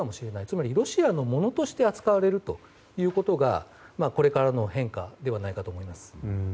つまりロシアのものとして扱われるということがこれからの変化ではないかと思います。